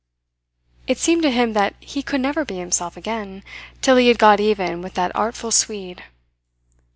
It seemed to him that he could never be himself again till he had got even with that artful Swede.